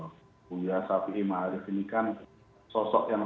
so buya syafi'i ma'arif ini kan sosok yang sangat